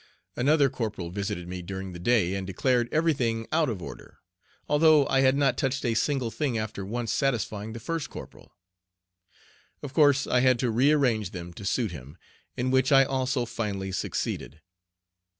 Another corporal visited me during the day and declared everything out of order, although I had not touched a single thing after once satisfying the first corporal. Of course I had to rearrange them to suit him, in which I also finally succeeded.